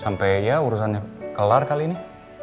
sampai ya urusannya kelar kali ini